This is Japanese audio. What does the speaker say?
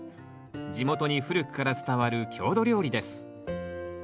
地元に古くから伝わる郷土料理です。